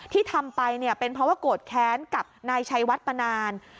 ที่ทำไปเนี่ยเป็นเพราะว่าโกรธแค้นกับนายชัยวัดมานาน